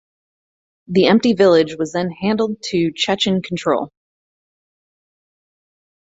The empty village was then handed to Chechen control.